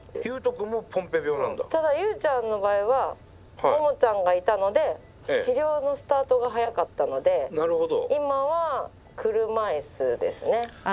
ただユウちゃんの場合はモモちゃんがいたので治療のスタートが早かったので今は車椅子ですね。